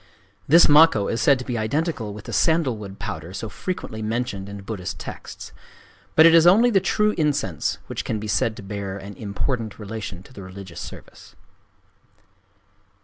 This makkō is said to be identical with the sandalwood powder so frequently mentioned in Buddhist texts. But it is only the true incense which can be said to bear an important relation to the religious service.